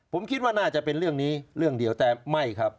ผมคิดว่าน่าจะเป็นเรื่องนี้เรื่องเดียวแต่ไม่ครับ